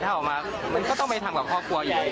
ถ้าออกมามันก็ต้องไปทำกับครอบครัวใหญ่